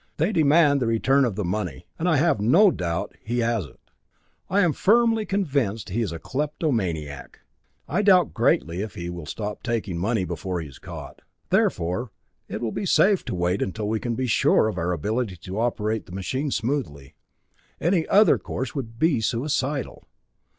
They demand the return of the money, and I have no doubt he has it. I am firmly convinced that he is a kleptomaniac. I doubt greatly if he will stop taking money before he is caught. Therefore it will be safe to wait until we can be sure of our ability to operate the machine smoothly. Any other course would be suicidal.